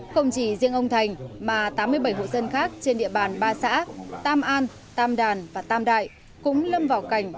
không chỉ riêng ông thành mà tám mươi bảy hộ dân khác trên địa bàn ba xã tam an tam đàn và tam đại cũng lâm vào cảnh